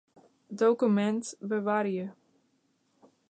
Dokumint bewarje.